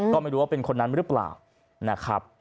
ก็ไม่รู้ว่าเป็นคนนั้นหรือเปล่านะครับ